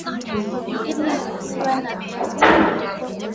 Ili usiwe na kiu tena.